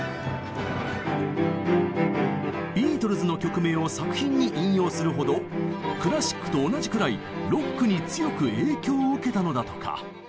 ビートルズの曲名を作品に引用するほどクラシックと同じくらいロックに強く影響を受けたのだとか。